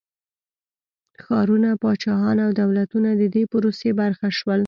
ښارونه، پاچاهيان او دولتونه د دې پروسې برخه شول.